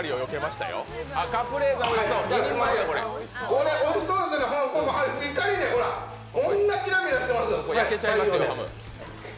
これ、おいしそうですね、光でこんなキラキラしてます。